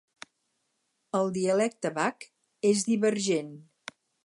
El dialecte Vach és divergent.